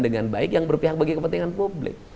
dengan baik yang berpihak bagi kepentingan publik